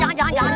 ampun gue ampun